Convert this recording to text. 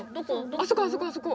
あそこあそこあそこ！